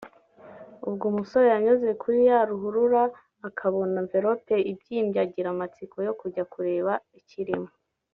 ubwo umusore yanyuze kuri iya ruhurura akabona Envelope ibyimbye agira amatsiko yo kujya kureba ikirimo